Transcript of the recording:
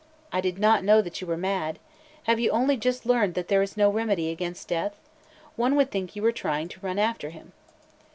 I did not know that you were mad. Have you only just learned that there is no remedy against death? One would think that you were trying to run after him."